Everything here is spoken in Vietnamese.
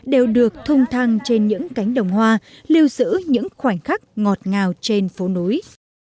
đều được thung thăng trên những cánh đồng hoa lưu giữ những khoảnh khắc ngọt ngào trên phố núi